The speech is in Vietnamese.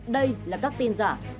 đây là các tin giả